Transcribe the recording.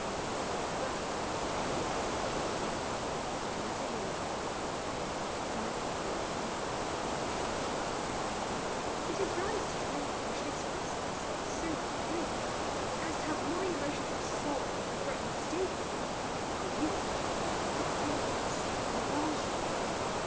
CLEMENT MONTGOMERY LETTER XXVII FROM JANETTA LAUNDY TO CLEMENT MONTGOMERY It is very strange I should express myself so ill as to have my emotions of sorrow and regret mistaken, by you, for coldness and aversion.